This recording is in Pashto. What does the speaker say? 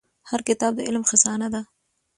هر کتاب د علم خزانه ده.